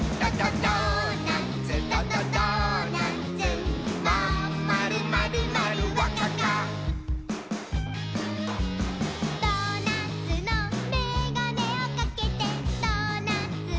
「ドーナツのメガネをかけてドーナツのＵＦＯみたぞ」